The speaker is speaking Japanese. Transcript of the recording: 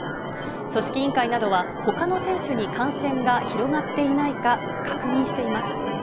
組織委員会などは、ほかの選手に感染が広がっていないか、確認しています。